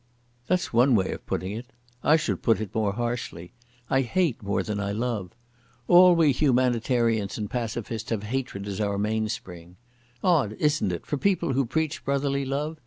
"That's one way of putting it. I should put it more harshly. I hate more than I love. All we humanitarians and pacifists have hatred as our mainspring. Odd, isn't it, for people who preach brotherly love?